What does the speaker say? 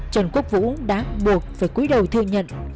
trần quốc vũ đã buộc phải cuối đầu thừa nhận